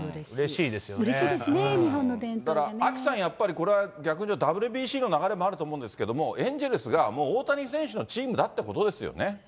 うれしいですね、日本の伝統アキさん、やっぱりこれは逆に言うと、ＷＢＣの流れもあると思うんですけれども、エンゼルスがもう大谷選手のチームだっていうことですよね。